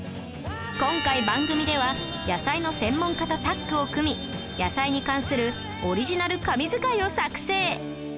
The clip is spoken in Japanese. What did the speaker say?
今回番組では野菜の専門家とタッグを組み野菜に関するオリジナル神図解を作成